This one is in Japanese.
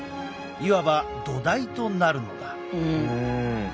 いわば土台となるのだ。